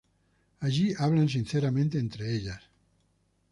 Allí hablan sinceramente entre ellas.